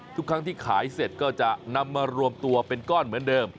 ทุกครั้งที่ขายเสร็จก็จะนำมารวมตัวเป็นก้อนเหมือนเดิม